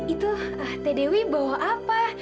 itu ahy dewi bawa apa